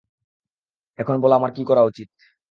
এখন বল আমার কী করা উচিত।